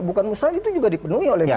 bukan misalnya itu juga dipenuhi oleh fifa